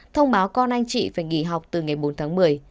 thông báo con anh chị phải nghỉ học từ ngày bốn tháng một mươi